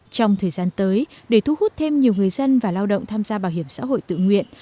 trong thời gian tới để thu hút thêm nhiều người dân và lao động tham gia bảo hiểm xã hội tự nguyện